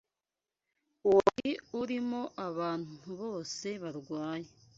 wari urimo abantu bose barwaye